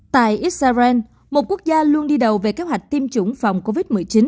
tại israel một quốc gia luôn đi đầu về kế hoạch tiêm chủng phòng covid một mươi chín